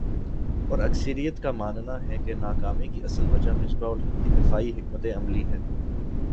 اور اکثریت کا ماننا ہے کہ ناکامی کی اصل وجہ مصباح الحق کی دفاعی حکمت عملی ہے ۔